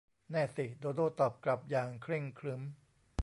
แน่สิ โดโด้ ตอบกลับอย่างเคร่งขรึม